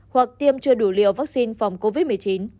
hoặc tiêm chưa đủ liều vaccine phòng covid một mươi chín